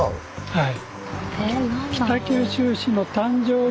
はい。